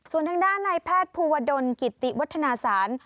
ส่วนทางด้านนายแพทย์ภูวดลกิติวัฒนาศาล